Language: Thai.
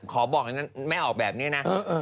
ขอบอกแม่ออกแบบเนี่ยนะ